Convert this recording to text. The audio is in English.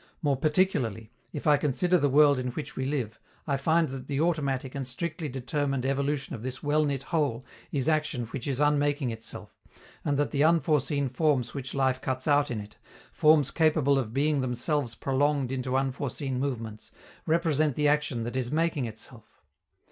More particularly, if I consider the world in which we live, I find that the automatic and strictly determined evolution of this well knit whole is action which is unmaking itself, and that the unforeseen forms which life cuts out in it, forms capable of being themselves prolonged into unforeseen movements, represent the action that is making itself.